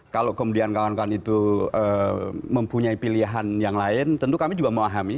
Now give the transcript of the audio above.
kalau kemudian kawan kawan itu mempunyai pilihan yang lain tentu kami juga memahami